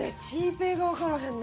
平がわからへんな。